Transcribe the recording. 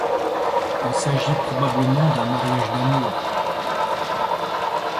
Il s'agit probablement d'un mariage d'amour.